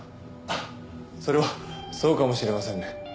それはそうかもしれませんね。